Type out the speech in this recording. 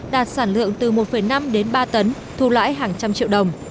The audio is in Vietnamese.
đạt sản lượng từ một năm đến ba tấn thu lãi hàng trăm triệu đồng